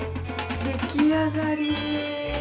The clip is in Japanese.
出来上がりです。